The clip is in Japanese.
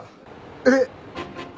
えっ？